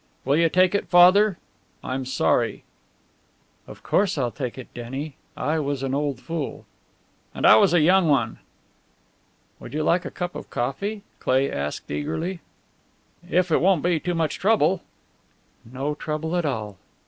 "Will you take it, Father? I'm sorry." "Of course I'll take it, Denny. I was an old fool." "And I was a young one." "Would you like a cup of coffee?" Cleigh asked, eagerly. "If it won't be too much trouble." "No trouble at all."